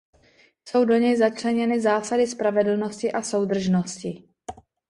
Jsou do něj začleněny zásady spravedlnosti a soudržnosti.